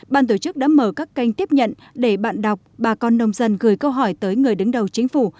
ban tổ chức đã mở các kênh tiếp nhận để bạn đọc bà con nông dân gửi câu hỏi tới người đứng đầu chính phủ